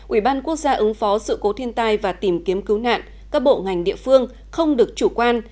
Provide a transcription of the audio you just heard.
ủy ban quốc gia ứng phó sự cố thiên tai và tìm kiếm cứu nạn các bộ ngành địa phương không được chủ quan